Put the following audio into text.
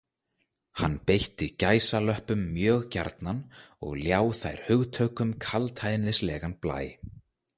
Hann beitti gæsalöppum mjög gjarnan og ljá þær hugtökum kaldhæðnislegan blæ.